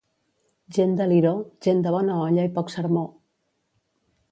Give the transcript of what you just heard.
Gent de Liró, gent de bona olla i poc sermó.